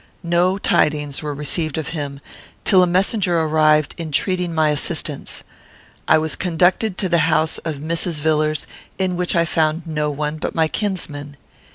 No tidings were received of him, till a messenger arrived, entreating my assistance. I was conducted to the house of Mrs. Villars, in which I found no one but my kinsman.